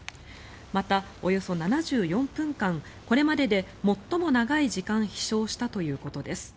また、およそ７４分間これまでで最も長い時間飛翔したということです。